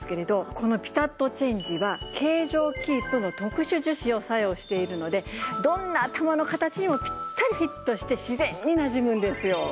このピタットチェンジは形状キープの特殊樹脂を採用しているのでどんな頭の形にもピッタリフィットして自然になじむんですよ。